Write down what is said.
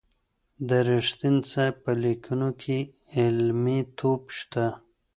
د رښتین صاحب په لیکنو کي علمي توب شته.